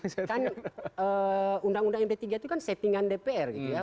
kan undang undang md tiga itu kan settingan dpr gitu ya